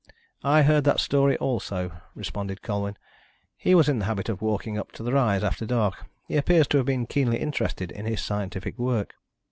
"I heard that story also," responded Colwyn. "He was in the habit of walking up to the rise after dark. He appears to have been keenly interested in his scientific work."